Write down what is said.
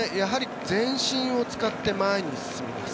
やはり全身を使って前に進みます。